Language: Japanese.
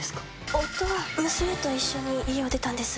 夫は娘と一緒に家を出たんです。